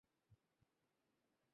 এই গল্পটি কি তুমি ফিরোজের সঙ্গে করেছ?